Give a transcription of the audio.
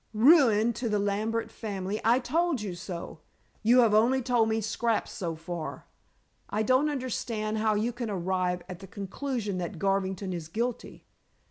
"Ruin to the Lambert family. I told you so." "You have only told me scraps so far. I don't understand how you can arrive at the conclusion that Garvington is guilty.